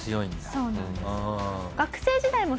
そうなんです。